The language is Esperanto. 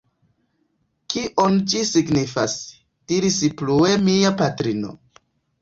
Kion ĝi signifas? diris plue mia patrino.